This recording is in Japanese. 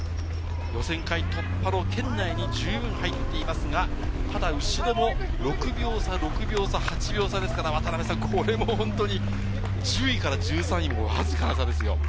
予選会突破の圏内に十分入っていますが、ただ後ろも６秒差、６秒差、８秒差ですから、これも本当に１０位から１３位、わずかな差ですよ。